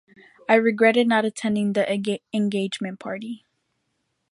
I regretted not attending the engagement party.